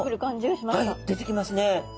はい出てきますね。